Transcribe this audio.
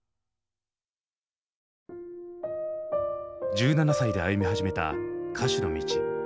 １７歳で歩み始めた歌手の道。